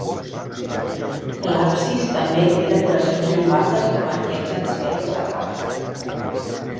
L'absis també té decoracions llombardes amb arquets en sèries de quatre.